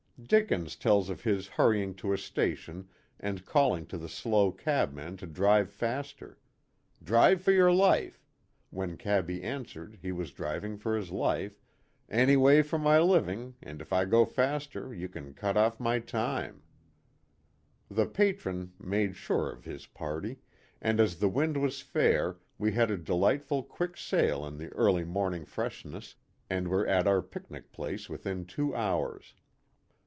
Dickens tells of his hurrying to a station, and calling to the slow cabman to drive faster, " drive for your life," when cabby answered he was driving for his life, " anyway for my living, and if I go faster you cut off my time." 54 A PICNIC NEAR THE EQUATOR. The Patron made sure of his party, and as the wind was fair we had a delightful quick sail in the early morning freshness and were at our picnic place within two hours.